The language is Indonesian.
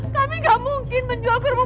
kami gak mungkin menjual kerbu